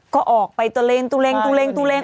ก็ออกไปตูเลงตูเลงตูเลงตูเลง